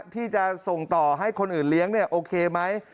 ที่จะส่งต่อให้คนอื่นเลี้ยงโอเคไหม